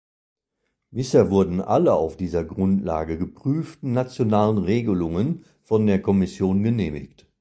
Bisher wurden alle auf dieser Grundlage geprüften nationalen Regelungen von der Kommission genehmigt.